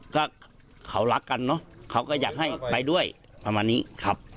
ก็เขารักกันเนอะเขาก็อยากให้ไปด้วยประมาณนี้ครับ